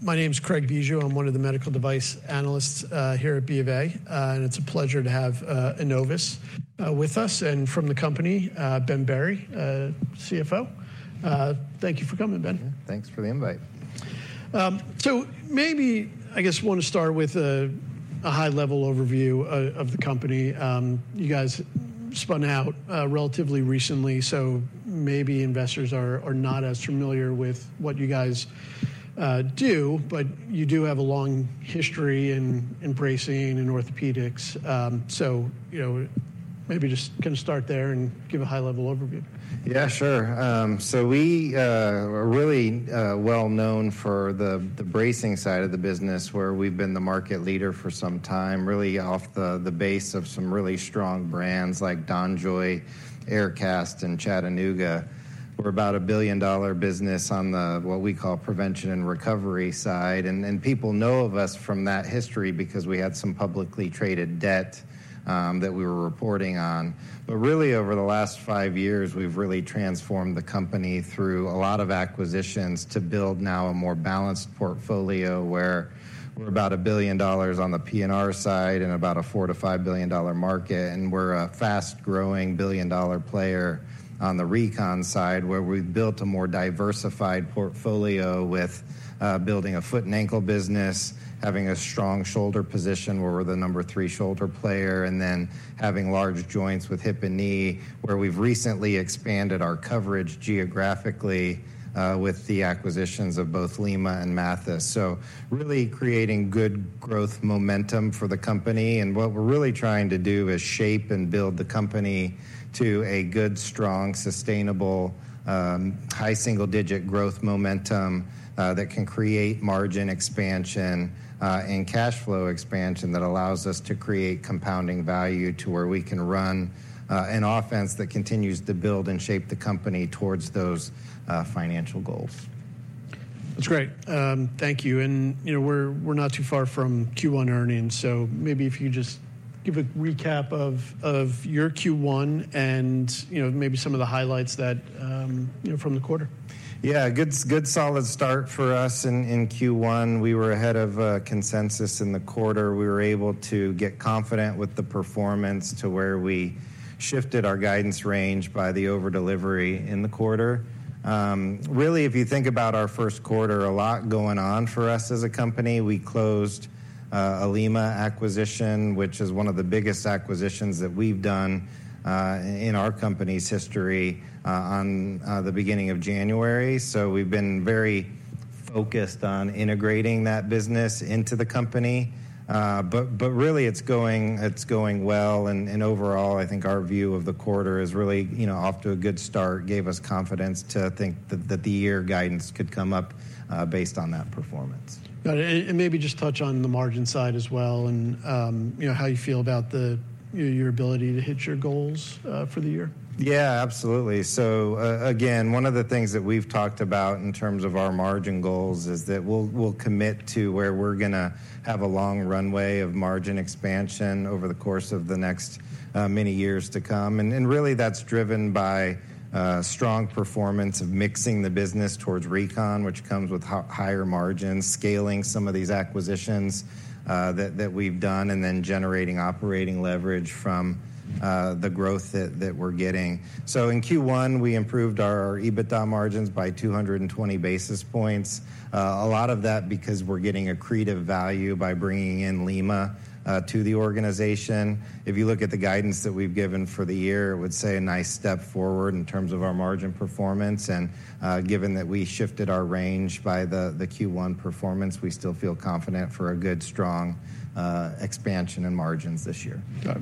My name is Craig Bijou. I'm one of the medical device analysts here at BofA. It's a pleasure to have Enovis with us and from the company, Ben Berry, CFO. Thank you for coming, Ben. Thanks for the invite. So maybe I guess I want to start with a high-level overview of the company. You guys spun out relatively recently, so maybe investors are not as familiar with what you guys do. But you do have a long history in bracing in orthopedics. So, you know, maybe just kind of start there and give a high-level overview. Yeah, sure. So we are really well known for the bracing side of the business, where we've been the market leader for some time, really off the base of some really strong brands like DonJoy, Aircast, and Chattanooga. We're about a billion-dollar business on the what we call prevention and recovery side. And people know of us from that history because we had some publicly traded debt that we were reporting on. But really, over the last five years, we've really transformed the company through a lot of acquisitions to build now a more balanced portfolio, where we're about $1 billion on the P&R side in about a $4 billion-$5 billion market. And we're a fast-growing billion-dollar player on the recon side, where we've built a more diversified portfolio with building a foot and ankle business, having a strong shoulder position where we're the number three shoulder player, and then having large joints with hip and knee, where we've recently expanded our coverage geographically with the acquisitions of both Lima and Mathys. So really creating good growth momentum for the company. And what we're really trying to do is shape and build the company to a good, strong, sustainable high single-digit growth momentum that can create margin expansion and cash flow expansion that allows us to create compounding value to where we can run an offense that continues to build and shape the company towards those financial goals. That's great. Thank you. And, you know, we're not too far from Q1 earnings, so maybe if you just give a recap of your Q1 and, you know, maybe some of the highlights that, you know, from the quarter. Yeah. Good, good solid start for us in Q1. We were ahead of consensus in the quarter. We were able to get confident with the performance to where we shifted our guidance range by the over delivery in the quarter. Really, if you think about our first quarter, a lot going on for us as a company. We closed a Lima acquisition, which is one of the biggest acquisitions that we've done in our company's history on the beginning of January. So we've been very focused on integrating that business into the company. But really it's going well, and overall, I think our view of the quarter is really, you know, off to a good start. Gave us confidence to think that the year guidance could come up based on that performance. Got it. And maybe just touch on the margin side as well and, you know, how you feel about the, you know, your ability to hit your goals for the year. Yeah, absolutely. So, again, one of the things that we've talked about in terms of our margin goals is that we'll, we'll commit to where we're gonna have a long runway of margin expansion over the course of the next, many years to come. And, and really, that's driven by, strong performance of mixing the business towards recon, which comes with higher margins, scaling some of these acquisitions, that, that we've done, and then generating operating leverage from, the growth that, that we're getting. So in Q1, we improved our EBITDA margins by 220 basis points. A lot of that because we're getting accretive value by bringing in Lima, to the organization. If you look at the guidance that we've given for the year, I would say a nice step forward in terms of our margin performance. Given that we shifted our range by the Q1 performance, we still feel confident for a good, strong, expansion in margins this year. Got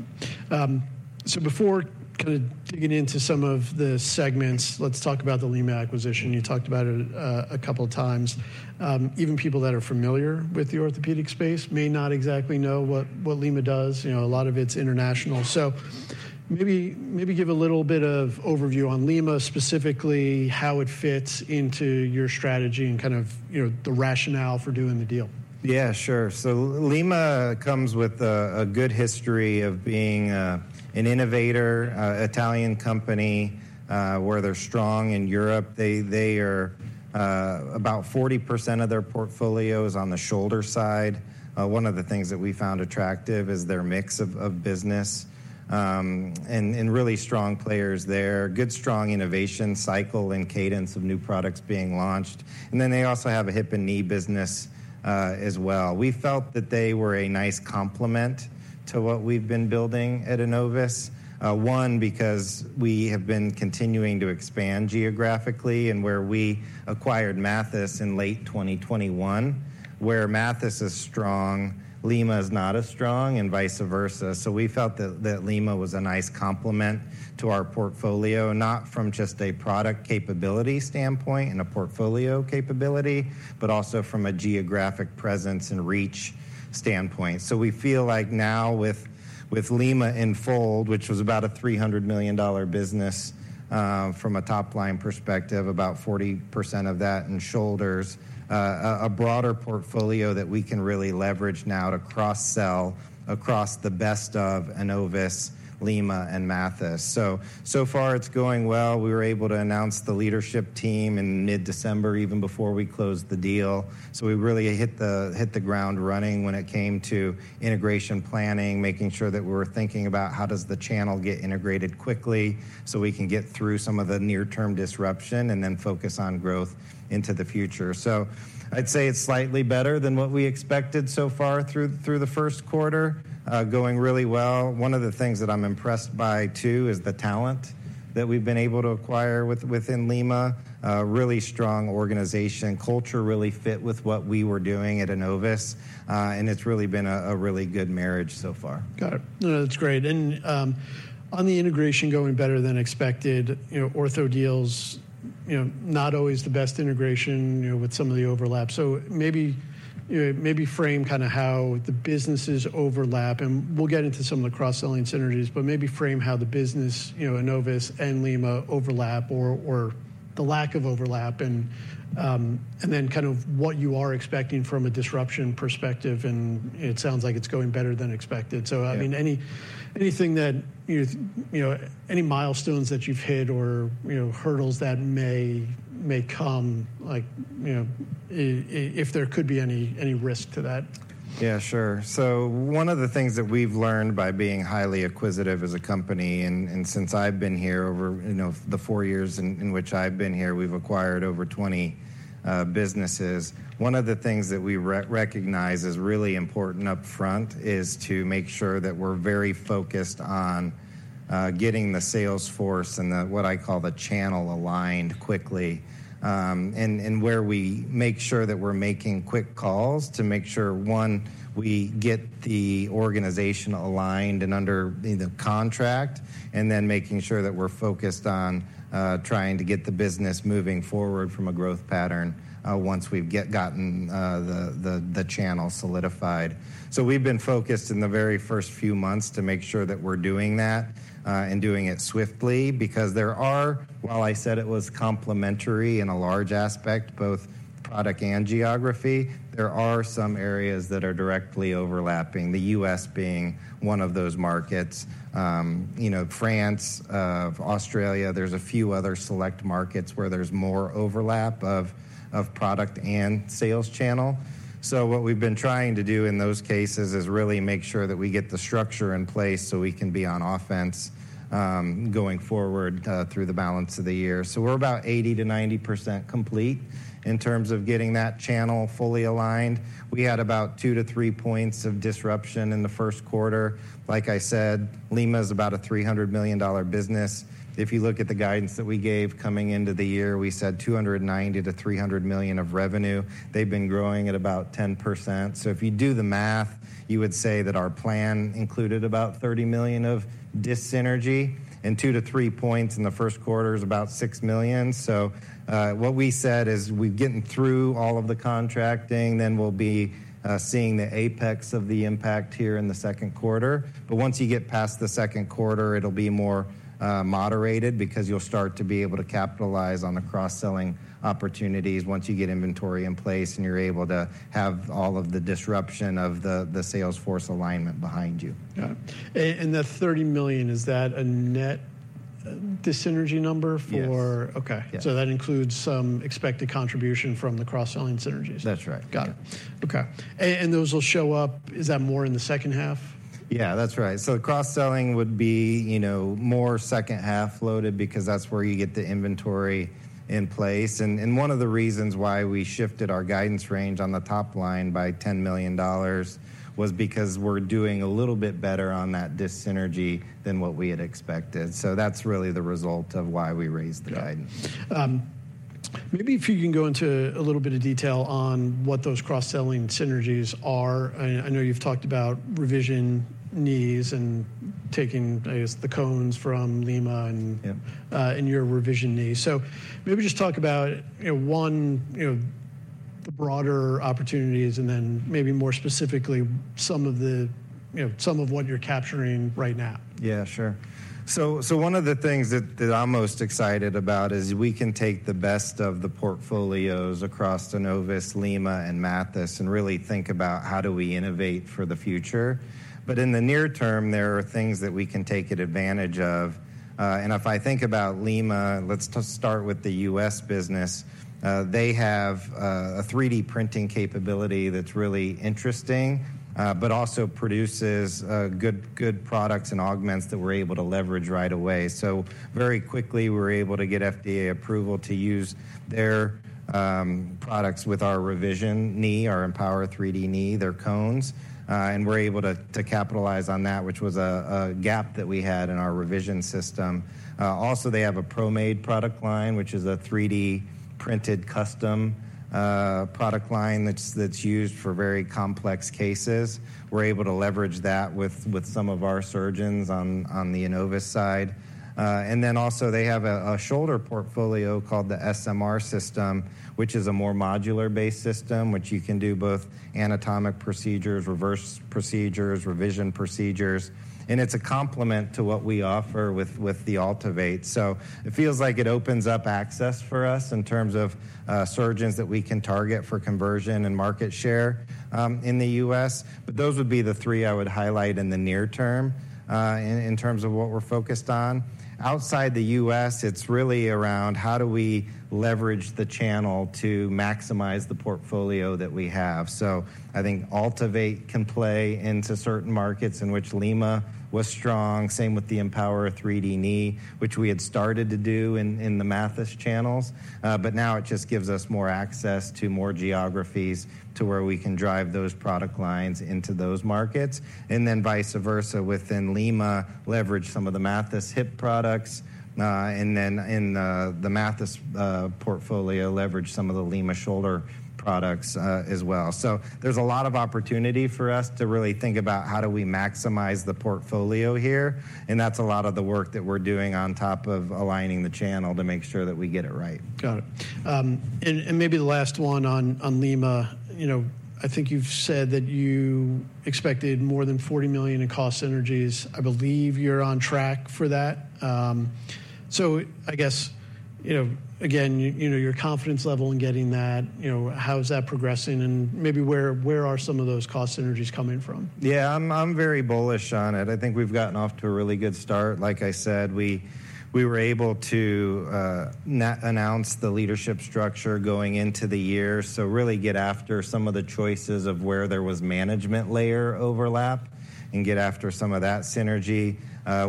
it. So before kind of digging into some of the segments, let's talk about the Lima acquisition. You talked about it, a couple of times. Even people that are familiar with the orthopedic space may not exactly know what, what Lima does. You know, a lot of it's international. So maybe, maybe give a little bit of overview on Lima, specifically, how it fits into your strategy and kind of, you know, the rationale for doing the deal. Yeah, sure. So Lima comes with a good history of being an innovator, Italian company, where they're strong in Europe. About 40% of their portfolio is on the shoulder side. One of the things that we found attractive is their mix of business, and really strong players there. Good, strong innovation cycle and cadence of new products being launched. And then they also have a hip and knee business, as well. We felt that they were a nice complement to what we've been building at Enovis. Because we have been continuing to expand geographically, and where we acquired Mathys in late 2021... where Mathys is strong, Lima is not as strong, and vice versa. So we felt that that Lima was a nice complement to our portfolio, not from just a product capability standpoint and a portfolio capability, but also from a geographic presence and reach standpoint. So we feel like now with with Lima in the fold, which was about a $300 million business, from a top-line perspective, about 40% of that in shoulders, a broader portfolio that we can really leverage now to cross-sell across the best of Enovis, Lima, and Mathys. So, so far it's going well. We were able to announce the leadership team in mid-December, even before we closed the deal. So we really hit the ground running when it came to integration planning, making sure that we're thinking about how does the channel get integrated quickly so we can get through some of the near-term disruption and then focus on growth into the future. So I'd say it's slightly better than what we expected so far through the first quarter. Going really well. One of the things that I'm impressed by, too, is the talent that we've been able to acquire within Lima. Really strong organization. Culture really fit with what we were doing at Enovis, and it's really been a really good marriage so far. Got it. No, that's great. And, on the integration going better than expected, you know, ortho deals, you know, not always the best integration, you know, with some of the overlap. So maybe, you know, maybe frame kinda how the businesses overlap, and we'll get into some of the cross-selling synergies, but maybe frame how the business, you know, Enovis and Lima overlap or, or the lack of overlap, and, and then kind of what you are expecting from a disruption perspective, and it sounds like it's going better than expected. Yeah. So I mean, anything that, you know, any milestones that you've hit or, you know, hurdles that may come, like, you know, if there could be any risk to that? Yeah, sure. So one of the things that we've learned by being highly acquisitive as a company, and since I've been here over, you know, the four years in which I've been here, we've acquired over 20 businesses. One of the things that we recognize as really important upfront is to make sure that we're very focused on getting the sales force and what I call the channel aligned quickly. And where we make sure that we're making quick calls to make sure, one, we get the organization aligned and under the contract, and then making sure that we're focused on trying to get the business moving forward from a growth pattern once we've gotten the channel solidified. So we've been focused in the very first few months to make sure that we're doing that, and doing it swiftly, because there are. While I said it was complementary in a large aspect, both product and geography, there are some areas that are directly overlapping, the U.S. being one of those markets. You know, France, Australia, there's a few other select markets where there's more overlap of product and sales channel. So what we've been trying to do in those cases is really make sure that we get the structure in place so we can be on offense, going forward, through the balance of the year. So we're about 80%-90% complete in terms of getting that channel fully aligned. We had about two-three points of disruption in the first quarter. Like I said, Lima is about a $300 million business. If you look at the guidance that we gave coming into the year, we said $290 million-$300 million of revenue. They've been growing at about 10%. So if you do the math, you would say that our plan included about $30 million of dis-synergy, and two-three points in the first quarter is about $6 million. So, what we said is, we're getting through all of the contracting, then we'll be, seeing the apex of the impact here in the second quarter. Once you get past the second quarter, it'll be more moderated because you'll start to be able to capitalize on the cross-selling opportunities once you get inventory in place and you're able to have all of the disruption of the sales force alignment behind you. Got it. And the $30 million, is that a net dis-synergy number for- Yes. Okay. Yes. So that includes some expected contribution from the cross-selling synergies? That's right. Got it. Okay. Those will show up... Is that more in the second half? Yeah, that's right. So cross-selling would be, you know, more second half loaded because that's where you get the inventory in place. And one of the reasons why we shifted our guidance range on the top line by $10 million was because we're doing a little bit better on that dis-synergy than what we had expected. So that's really the result of why we raised the guidance. Yeah. Maybe if you can go into a little bit of detail on what those cross-selling synergies are. I know you've talked about revision knees and taking, I guess, the cones from Lima and- Yeah.... and your revision knees. So maybe just talk about, you know, the broader opportunities, and then maybe more specifically, some of the, you know, some of what you're capturing right now. Yeah, sure. So, one of the things that I'm most excited about is we can take the best of the portfolios across the Enovis, Lima, and Mathys, and really think about how do we innovate for the future. But in the near term, there are things that we can take advantage of. And if I think about Lima, let's just start with the U.S. business. They have a 3D printing capability that's really interesting, but also produces good products and augments that we're able to leverage right away. So very quickly, we're able to get FDA approval to use their products with our revision knee, our EMPOWR 3D Knee, their cones. And we're able to capitalize on that, which was a gap that we had in our revision system. Also, they have a ProMade product line, which is a 3D printed custom product line that's used for very complex cases. We're able to leverage that with some of our surgeons on the Enovis side. And then also they have a shoulder portfolio called the SMR system, which is a more modular-based system, which you can do both anatomic procedures, reverse procedures, revision procedures, and it's a complement to what we offer with the AltiVate. So it feels like it opens up access for us in terms of surgeons that we can target for conversion and market share in the U.S. But those would be the three I would highlight in the near term in terms of what we're focused on. Outside the U.S., it's really around how do we leverage the channel to maximize the portfolio that we have. So I think AltiVate can play into certain markets in which Lima was strong. Same with the EMPOWR 3D Knee, which we had started to do in the Mathys channels. But now it just gives us more access to more geographies to where we can drive those product lines into those markets. And then vice versa, within Lima, leverage some of the Mathys hip products, and then in the Mathys portfolio, leverage some of the Lima shoulder products, as well. So there's a lot of opportunity for us to really think about how do we maximize the portfolio here, and that's a lot of the work that we're doing on top of aligning the channel to make sure that we get it right. Got it. And maybe the last one on Lima. You know, I think you've said that you expected more than $40 million in cost synergies. I believe you're on track for that. So I guess, you know, again, you know, your confidence level in getting that, you know, how is that progressing? And maybe where, where are some of those cost synergies coming from? Yeah, I'm very bullish on it. I think we've gotten off to a really good start. Like I said, we were able to announce the leadership structure going into the year, so really get after some of the choices of where there was management layer overlap and get after some of that synergy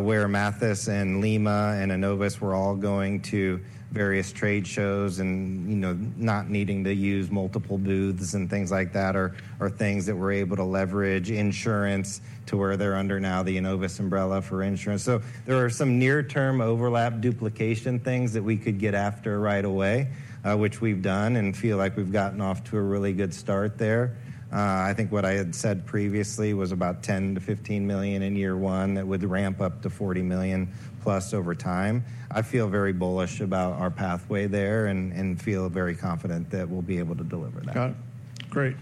where Mathys and Lima and Enovis were all going to various trade shows and, you know, not needing to use multiple booths and things like that, or things that we're able to leverage insurance to where they're under now, the Enovis umbrella for insurance. So there are some near-term overlap, duplication, things that we could get after right away, which we've done and feel like we've gotten off to a really good start there. I think what I had said previously was about $10 million-$15 million in year one that would ramp up to $40 million+ over time. I feel very bullish about our pathway there and feel very confident that we'll be able to deliver that. Got it. Great.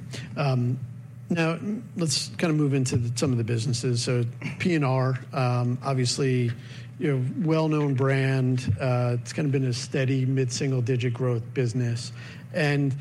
Now let's kind of move into the, some of the businesses. So P&R, obviously, you know, well-known brand. It's kind of been a steady, mid-single-digit growth business. And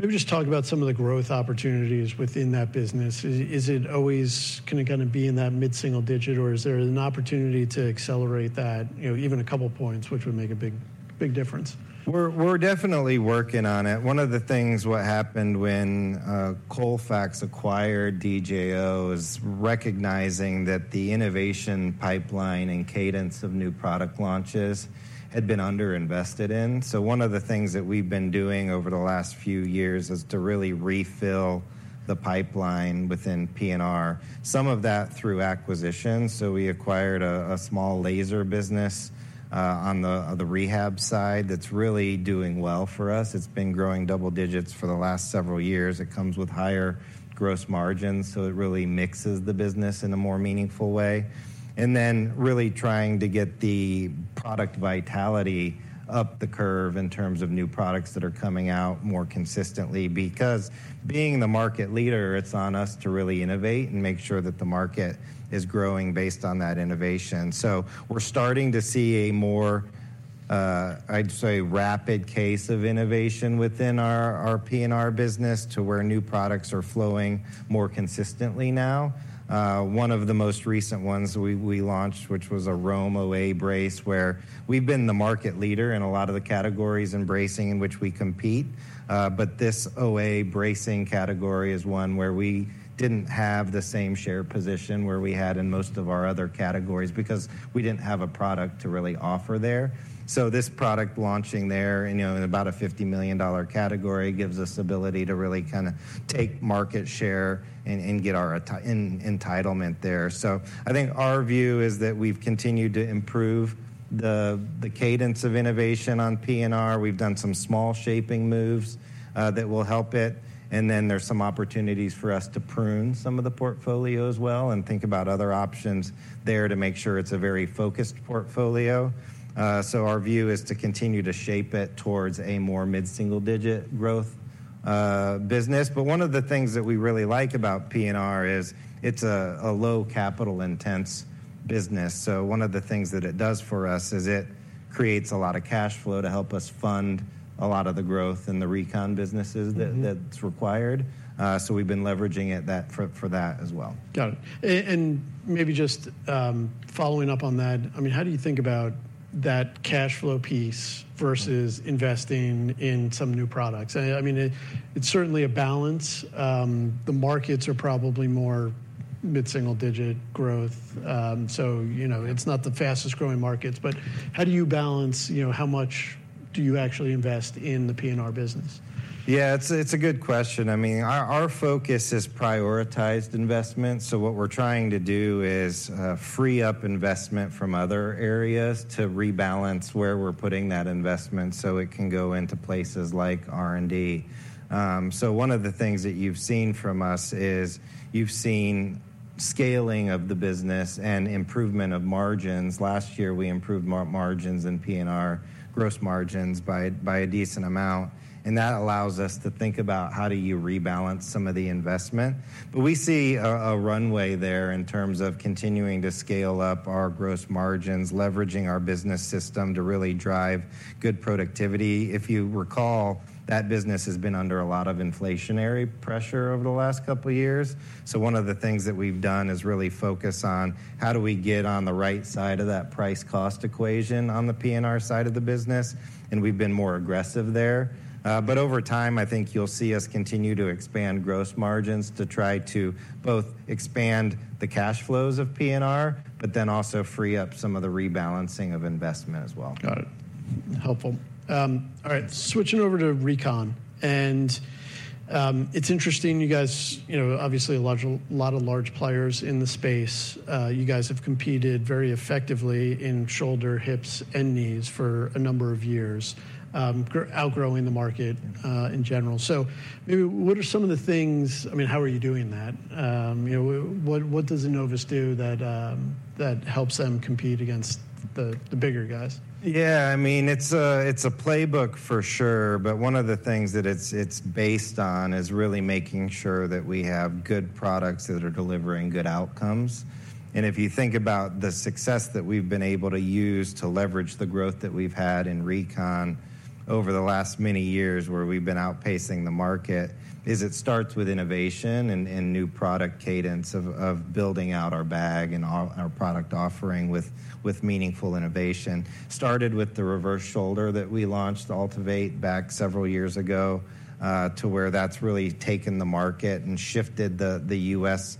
maybe just talk about some of the growth opportunities within that business. Is, is it always gonna kind of be in that mid-single-digit, or is there an opportunity to accelerate that, you know, even a couple of points, which would make a big, big difference? We're, we're definitely working on it. One of the things what happened when Colfax acquired DJO is recognizing that the innovation pipeline and cadence of new product launches had been underinvested in. So one of the things that we've been doing over the last few years is to really refill the pipeline within P&R. Some of that through acquisitions, so we acquired a small laser business on the rehab side. That's really doing well for us. It's been growing double digits for the last several years. It comes with higher gross margins, so it really mixes the business in a more meaningful way. And then really trying to get the product vitality up the curve in terms of new products that are coming out more consistently. Because being the market leader, it's on us to really innovate and make sure that the market is growing based on that innovation. So we're starting to see a more, I'd say, rapid case of innovation within our P&R business to where new products are flowing more consistently now. One of the most recent ones we launched, which was a ROAM OA brace, where we've been the market leader in a lot of the categories in bracing in which we compete. But this OA bracing category is one where we didn't have the same share position where we had in most of our other categories because we didn't have a product to really offer there. So this product launching there, you know, in about a $50 million category, gives us ability to really kinda take market share and get our entitlement there. So I think our view is that we've continued to improve the cadence of innovation on P&R. We've done some small shaping moves that will help it. And then there's some opportunities for us to prune some of the portfolio as well, and think about other options there to make sure it's a very focused portfolio. So our view is to continue to shape it towards a more mid-single-digit growth business. But one of the things that we really like about P&R is it's a low capital-intensive business. One of the things that it does for us is it creates a lot of cash flow to help us fund a lot of the growth in the recon businesses. Mm-hmm. That, that's required. So we've been leveraging it for that as well. Got it. And maybe just following up on that, I mean, how do you think about that cash flow piece versus investing in some new products? I mean, it, it's certainly a balance. The markets are probably more mid-single-digit growth, so, you know, it's not the fastest growing markets. But how do you balance, you know, how much do you actually invest in the P&R business? Yeah, it's a good question. I mean, our focus is prioritized investment, so what we're trying to do is free up investment from other areas to rebalance where we're putting that investment so it can go into places like R&D. So one of the things that you've seen from us is, you've seen scaling of the business and improvement of margins. Last year, we improved margins in P&R, gross margins, by a decent amount, and that allows us to think about how do you rebalance some of the investment. But we see a runway there in terms of continuing to scale up our gross margins, leveraging our business system to really drive good productivity. If you recall, that business has been under a lot of inflationary pressure over the last couple of years. So one of the things that we've done is really focus on how do we get on the right side of that price-cost equation on the P&R side of the business, and we've been more aggressive there. But over time, I think you'll see us continue to expand gross margins to try to both expand the cash flows of P&R, but then also free up some of the rebalancing of investment as well. Got it. Helpful. All right, switching over to recon, and it's interesting, you guys, you know, obviously a large—a lot of large players in the space. You guys have competed very effectively in shoulder, hips, and knees for a number of years, outgrowing the market in general. So maybe what are some of the things—I mean, how are you doing that? You know, what does Enovis do that helps them compete against the bigger guys? Yeah, I mean, it's a, it's a playbook for sure, but one of the things that it's, it's based on is really making sure that we have good products that are delivering good outcomes. And if you think about the success that we've been able to use to leverage the growth that we've had in recon over the last many years, where we've been outpacing the market, is it starts with innovation and, and new product cadence of, of building out our bag and our, our product offering with, with meaningful innovation. Started with the reverse shoulder that we launched, AltiVate, back several years ago, to where that's really taken the market and shifted the, the U.S.,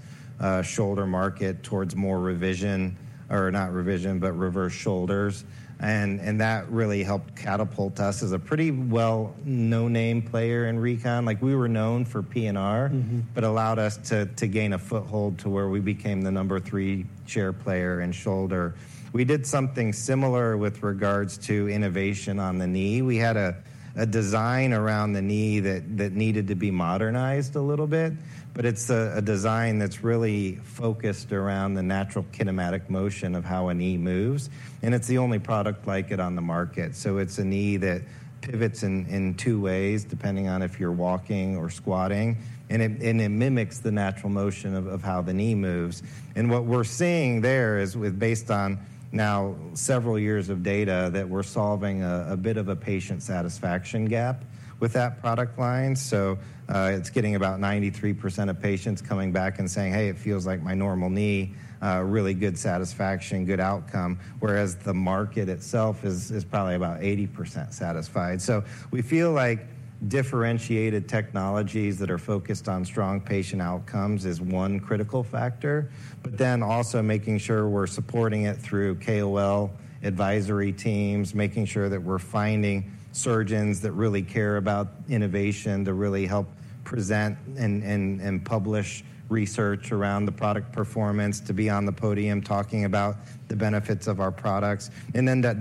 shoulder market towards more revision, or not revision, but reverse shoulders. And, and that really helped catapult us as a pretty well, no-name player in recon. Like, we were known for P&R- Mm-hmm. But allowed us to, to gain a foothold to where we became the number three share player in shoulder. We did something similar with regards to innovation on the knee. We had a, a design around the knee that, that needed to be modernized a little bit, but it's a, a design that's really focused around the natural kinematic motion of how a knee moves, and it's the only product like it on the market. So it's a knee that pivots in, in two ways, depending on if you're walking or squatting, and it, and it mimics the natural motion of, of how the knee moves. And what we're seeing there is with, based on now several years of data, that we're solving a, a bit of a patient satisfaction gap with that product line. So, it's getting about 93% of patients coming back and saying, "Hey, it feels like my normal knee." Really good satisfaction, good outcome, whereas the market itself is probably about 80% satisfied. So we feel like differentiated technologies that are focused on strong patient outcomes is one critical factor, but then also making sure we're supporting it through KOL advisory teams, making sure that we're finding surgeons that really care about innovation, to really help present and publish research around the product performance, to be on the podium talking about the benefits of our products. And then the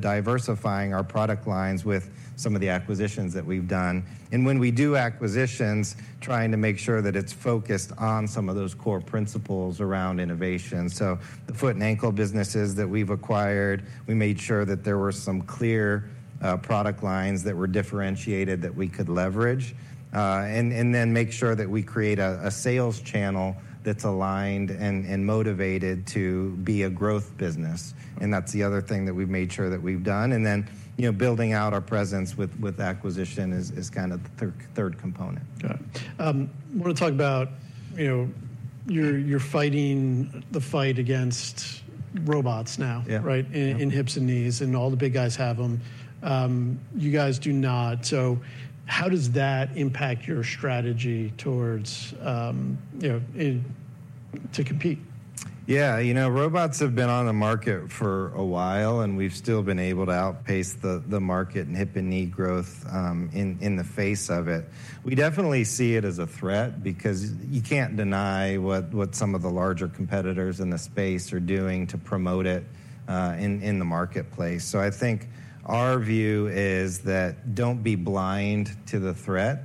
diversifying our product lines with some of the acquisitions that we've done. And when we do acquisitions, trying to make sure that it's focused on some of those core principles around innovation. So the foot and ankle businesses that we've acquired, we made sure that there were some clear product lines that were differentiated that we could leverage. And then make sure that we create a sales channel that's aligned and motivated to be a growth business, and that's the other thing that we've made sure that we've done. And then, you know, building out our presence with acquisition is kind of the third component. Got it. I wanna talk about, you know, you're fighting the fight against robots now- Yeah. Right? In hips and knees, and all the big guys have them. You guys do not. So how does that impact your strategy towards, you know, to compete? Yeah, you know, robots have been on the market for a while, and we've still been able to outpace the market in hip and knee growth, in the face of it. We definitely see it as a threat because you can't deny what some of the larger competitors in the space are doing to promote it, in the marketplace. So I think our view is that don't be blind to the threat,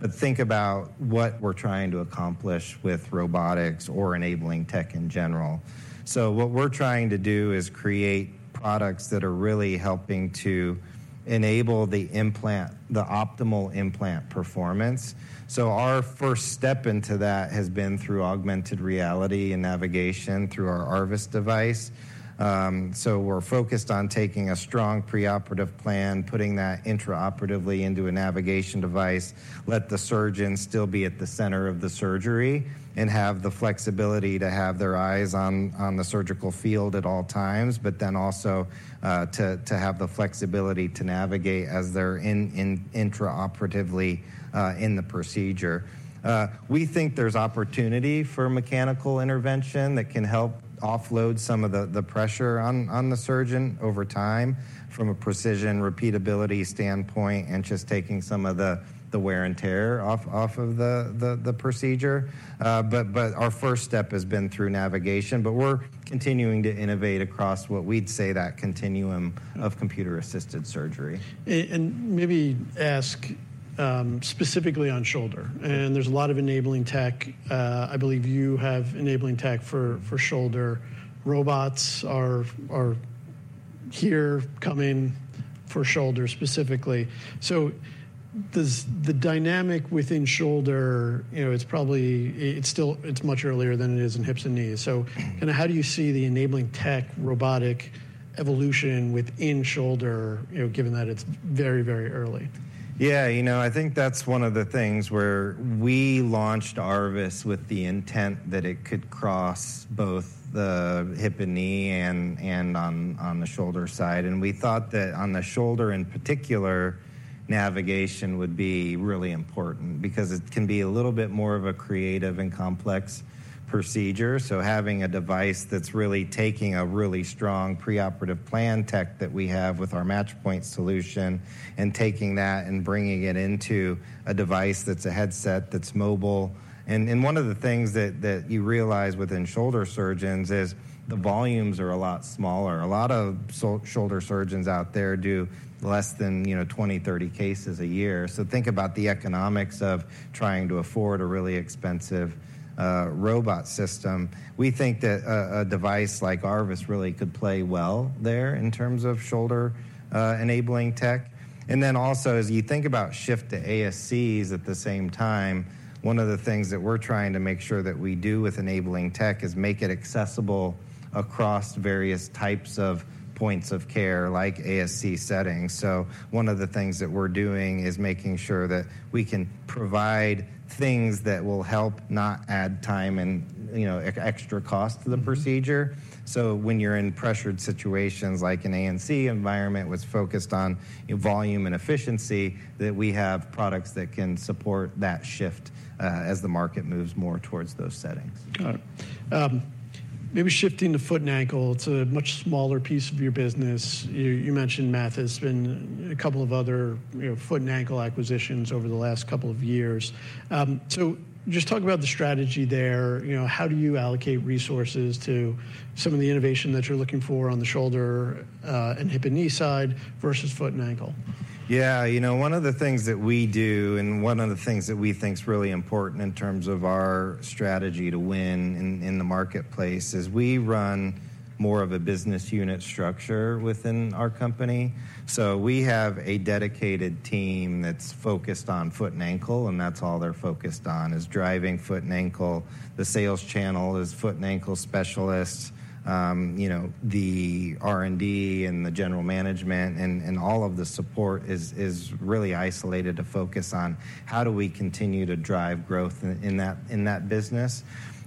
but think about what we're trying to accomplish with robotics or enabling tech in general... So what we're trying to do is create products that are really helping to enable the implant, the optimal implant performance. So our first step into that has been through augmented reality and navigation through our ARVIS device. So we're focused on taking a strong preoperative plan, putting that intraoperatively into a navigation device, let the surgeon still be at the center of the surgery, and have the flexibility to have their eyes on the surgical field at all times, but then also to have the flexibility to navigate as they're intraoperatively in the procedure. We think there's opportunity for mechanical intervention that can help offload some of the pressure on the surgeon over time, from a precision repeatability standpoint, and just taking some of the wear and tear off of the procedure. But our first step has been through navigation, but we're continuing to innovate across what we'd say that continuum of computer-assisted surgery. And maybe ask, specifically on shoulder, and there's a lot of enabling tech. I believe you have enabling tech for shoulder. Robots are here coming for shoulder specifically. So does the dynamic within shoulder—you know, it's probably—it's still much earlier than it is in hips and knees. Mm-hmm. Kinda, how do you see the enabling tech robotic evolution within shoulder, you know, given that it's very, very early? Yeah, you know, I think that's one of the things where we launched ARVIS with the intent that it could cross both the hip and knee and on the shoulder side. And we thought that on the shoulder, in particular, navigation would be really important because it can be a little bit more of a creative and complex procedure. So having a device that's really taking a really strong preoperative plan tech that we have with our Match Point solution, and taking that and bringing it into a device that's a headset, that's mobile. And one of the things that you realize within shoulder surgeons is the volumes are a lot smaller. A lot of shoulder surgeons out there do less than, you know, 20, 30 cases a year. So think about the economics of trying to afford a really expensive robot system. We think that a device like ARVIS really could play well there in terms of shoulder enabling tech. And then also, as you think about shift to ASCs at the same time, one of the things that we're trying to make sure that we do with enabling tech is make it accessible across various types of points of care, like ASC settings. So one of the things that we're doing is making sure that we can provide things that will help not add time and, you know, extra cost to the procedure. Mm-hmm. When you're in pressured situations, like an ASC environment that's focused on volume and efficiency, that we have products that can support that shift, as the market moves more towards those settings. Got it. Maybe shifting to foot and ankle, it's a much smaller piece of your business. You mentioned Mathys and a couple of other, you know, foot and ankle acquisitions over the last couple of years. So just talk about the strategy there. You know, how do you allocate resources to some of the innovation that you're looking for on the shoulder and hip and knee side versus foot and ankle? Yeah, you know, one of the things that we do, and one of the things that we think is really important in terms of our strategy to win in the marketplace, is we run more of a business unit structure within our company. So we have a dedicated team that's focused on foot and ankle, and that's all they're focused on, is driving foot and ankle. The sales channel is foot and ankle specialists. You know, the R&D and the general management and all of the support is really isolated to focus on how do we continue to drive growth in that business.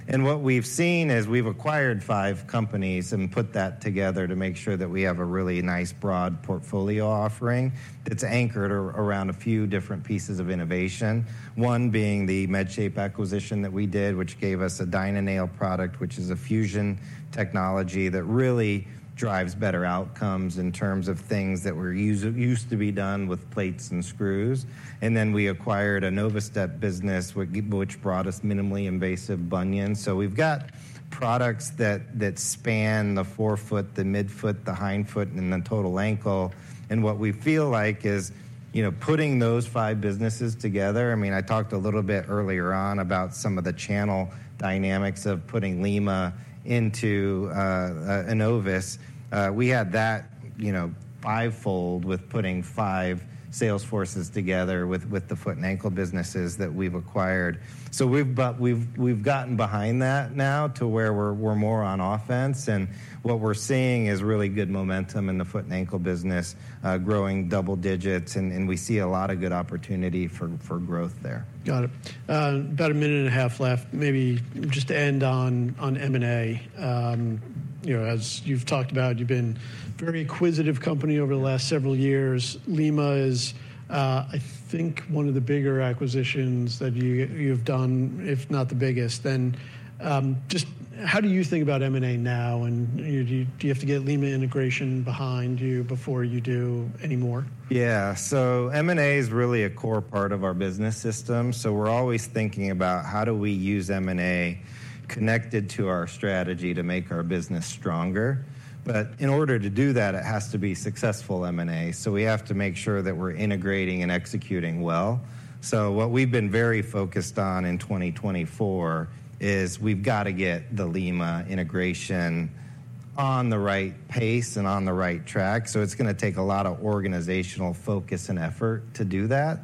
And what we've seen is we've acquired five companies and put that together to make sure that we have a really nice, broad portfolio offering that's anchored around a few different pieces of innovation. One being the MedShape acquisition that we did, which gave us a DynaNail product, which is a fusion technology that really drives better outcomes in terms of things that were used to be done with plates and screws. And then we acquired a Novastep business, which brought us minimally invasive bunions. So we've got products that span the forefoot, the midfoot, the hindfoot, and the total ankle. And what we feel like is, you know, putting those five businesses together. I mean, I talked a little bit earlier on about some of the channel dynamics of putting Lima into Enovis. We had that, you know, twofold with putting five sales forces together with the foot and ankle businesses that we've acquired. So, but we've gotten behind that now to where we're more on offense, and what we're seeing is really good momentum in the foot and ankle business, growing double digits, and we see a lot of good opportunity for growth there. Got it. About a minute and a half left, maybe just to end on M&A. You know, as you've talked about, you've been a very acquisitive company over the last several years. Lima is, I think one of the bigger acquisitions that you, you've done, if not the biggest. Then, just how do you think about M&A now, and do you, do you have to get Lima integration behind you before you do any more? Yeah. So M&A is really a core part of our business system. So we're always thinking about how do we use M&A connected to our strategy to make our business stronger. But in order to do that, it has to be successful M&A, so we have to make sure that we're integrating and executing well. So what we've been very focused on in 2024 is we've got to get the Lima integration on the right pace and on the right track. So it's gonna take a lot of organizational focus and effort to do that,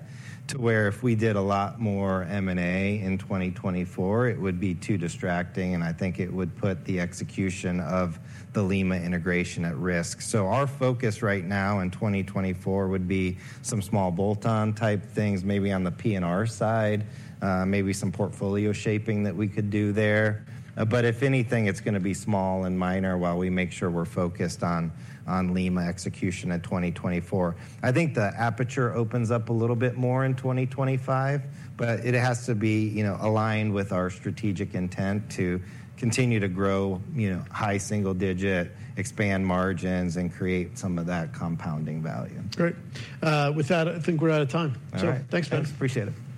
to where if we did a lot more M&A in 2024, it would be too distracting, and I think it would put the execution of the Lima integration at risk. Our focus right now in 2024 would be some small bolt-on type things, maybe on the P&R side, maybe some portfolio shaping that we could do there. But if anything, it's gonna be small and minor while we make sure we're focused on Lima execution in 2024. I think the aperture opens up a little bit more in 2025, but it has to be, you know, aligned with our strategic intent to continue to grow, you know, high single digit, expand margins, and create some of that compounding value. Great. With that, I think we're out of time. All right. Thanks, man. Appreciate it.